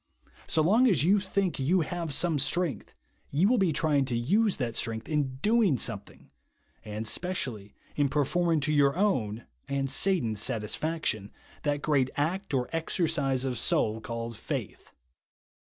So long as you think you have some strength you will be trying to use that strength in doing something, — and specially in perform ing to 3^our own and Satan's satisfaction, that great act or exercise of soul called " faith."